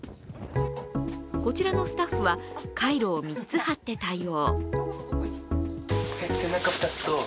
こちらのスタッフは、カイロを３つ貼って対応。